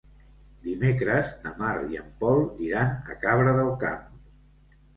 Dimecres na Mar i en Pol iran a Cabra del Camp.